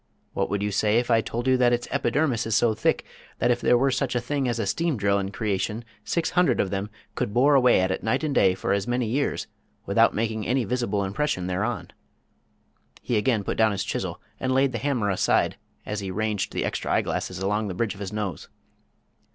What would you say if I told you that its epidermis is so thick that if there were such a thing as a steam drill in creation six hundred of them could bore away at it night and day for as many years without making any visible impression thereon?" He again put down his chisel, and laid the hammer aside, as he ranged the extra eyeglasses along the bridge of his nose.